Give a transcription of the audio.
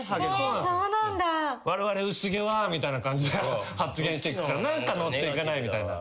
「われわれ薄毛は」みたいな感じで発言してくから何かノっていかないみたいな。